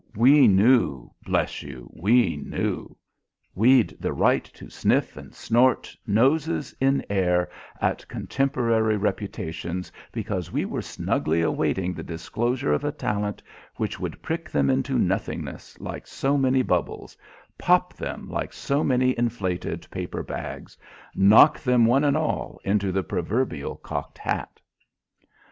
we knew, bless you; we knew. We'd the right to sniff and snort, noses in air, at contemporary reputations because we were snugly awaiting the disclosure of a talent which would prick them into nothingness like so many bubbles, pop them like so many inflated paper bags, knock them one and all into the proverbial cocked hat!